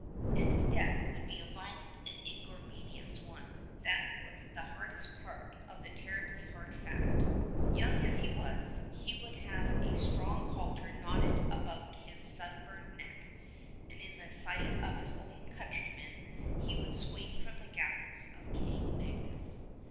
And his death would be a violent and an ignominious one — that was the hardest part of the terribly hard fact. Young as he was, he would have a strong halter knotted about his sunburnt neck, and in the sight of his own country men he would swing from the gallows of King Magnus.